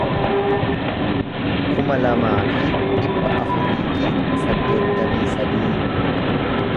kuma lamaa fi dhibba afurii fi saddeettamii sadii